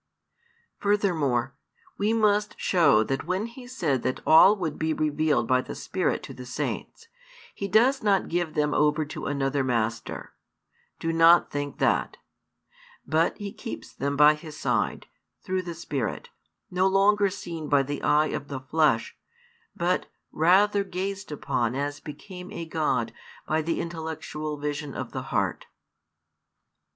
Furthermore, we must show that when He said that all would be revealed by the Spirit to the Saints, He does not give them over to another master do not think that: but He keeps them by His side, through the Spirit, no longer seen by the eye of the flesh, but rather gazed upon as became a God by the intellectual vision of the heart.